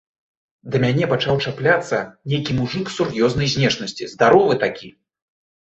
Да мяне пачаў чапляцца нейкі мужык сур'ёзнай знешнасці, здаровы такі.